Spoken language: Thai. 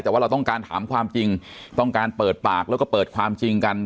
แต่ว่าเราต้องการถามความจริงต้องการเปิดปากแล้วก็เปิดความจริงกัน